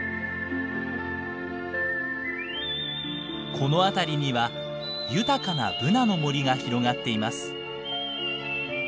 この辺りには豊かなブナの森が広がっています。